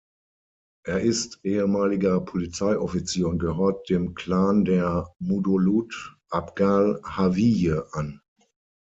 Er ist ehemaliger Polizeioffizier und gehört dem Clan der Mudulood-Abgal-Hawiye an.